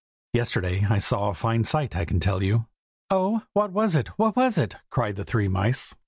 Yesterday I saw a fine sight, I can tell you." "Oh! what was it? what was it?" cried the three mice.